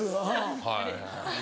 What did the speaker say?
はい。